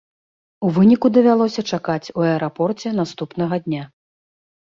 У выніку давялося чакаць у аэрапорце наступнага дня.